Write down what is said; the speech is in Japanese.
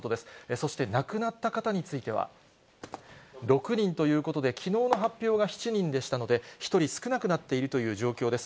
そして、亡くなった方については、６人ということで、きのうの発表が７人でしたので、１人少なくなっているという状況です。